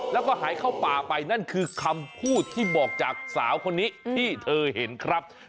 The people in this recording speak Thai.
แล้วก็หายเข้าป่าไปนั่นคือคำพูดที่บอกจากสาวคนนี้ที่เธอเห็นครับ